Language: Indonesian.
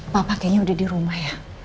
pak kayaknya udah di rumah ya